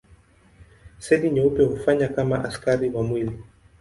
Seli nyeupe hufanya kama askari wa mwili.